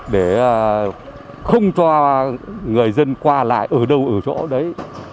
để không cho người dân qua lại ở đâu ở chỗ đấy